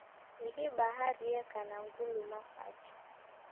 Ihi bahari yeka na nguluma pacha.